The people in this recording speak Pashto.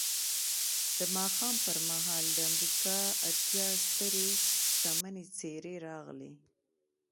د ماښام پر مهال د امریکا اتیا سترې شتمنې څېرې راغلې